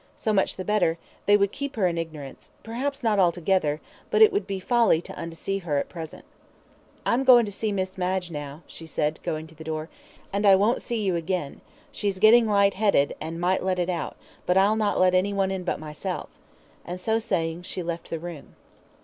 So much the better; they would keep her in ignorance, perhaps not altogether, but it would be folly to undeceive her at present. "I'm goin' to Miss Madge now," she said, going to the door, "and I won't see you again; she's getting light headed, and might let it out; but I'll not let any one in but myself," and so saying, she left the room.